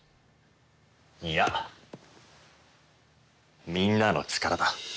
いやみんなの力だ。